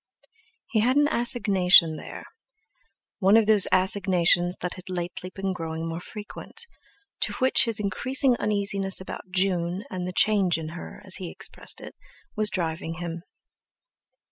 He had an assignation there, one of those assignations that had lately been growing more frequent, to which his increasing uneasiness about June and the "change in her," as he expressed it, was driving him.